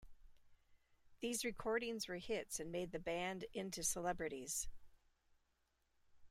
These recordings were hits and made the band into celebrities.